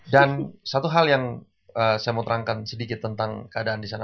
dan satu hal yang saya mau terangkan sedikit tentang keadaan di sana